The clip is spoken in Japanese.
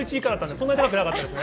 そんなに高くなかったですね。